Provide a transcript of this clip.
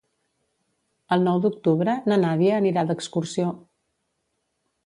El nou d'octubre na Nàdia anirà d'excursió.